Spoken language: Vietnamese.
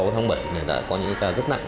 tháng bảy này đã có những ca rất nặng